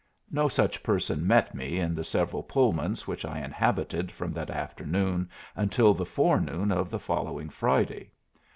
No such person met me in the several Pullmans which I inhabited from that afternoon until the forenoon of the following Friday.